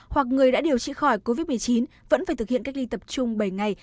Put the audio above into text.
hoặc người đã điều trị khỏi covid một mươi chín vẫn phải thực hiện cách ly tập trung bảy ngày